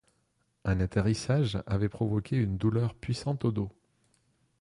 Un atterrissage avait provoqué une douleur puissante au dos.